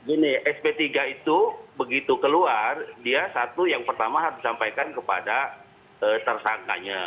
gini sp tiga itu begitu keluar dia satu yang pertama harus disampaikan kepada tersangkanya